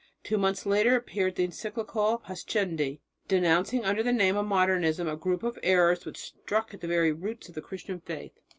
Two months later appeared the encyclical "Pascendi," denouncing under the name of "Modernism" a group of errors which struck at the very roots of the Christian faith.